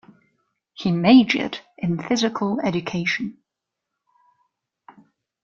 He majored in physical education.